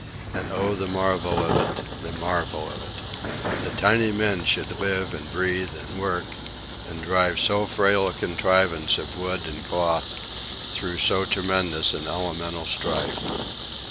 And oh, the marvel of it! the marvel of it! That tiny men should live and breathe and work, and drive so frail a contrivance of wood and cloth through so tremendous an elemental strife.